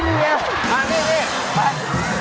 ข้าวอร่อย